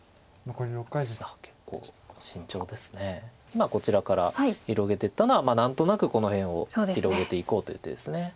今こちらから広げていったのは何となくこの辺を広げていこうという手です。